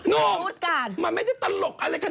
หนุ่มมันไม่ได้ตลกอะไรกัน